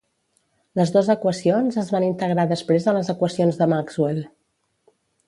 Les dos equacions es van integrar després a les equacions de Maxwell.